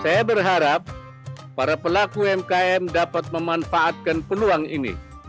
saya berharap para pelaku umkm dapat memanfaatkan peluang ini